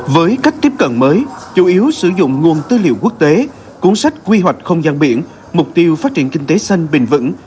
với cách tiếp cận mới chủ yếu sử dụng nguồn tư liệu quốc tế cuốn sách quy hoạch không gian biển mục tiêu phát triển kinh tế xanh bình vững